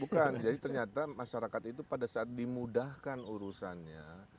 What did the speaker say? bukan jadi ternyata masyarakat itu pada saat dimudahkan urusannya